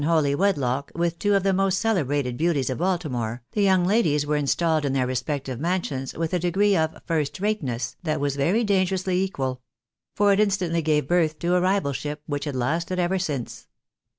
holy wedlock with two of the most celebrated beauties of Baltimore, the young ladies were installed in their respective mansions with a degree oi Jirst rateness that was very dangerously equal ; for it instantly gave birth to a rivalship, which had lasted ever since.